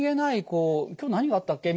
こう「今日何があったっけ？」